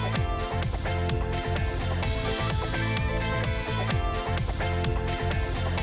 วันนี้เวลาของโอเคนะคะหมดลงแล้วนะคะ